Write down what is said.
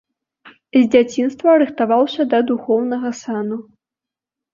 З дзяцінства рыхтаваўся да духоўнага сану.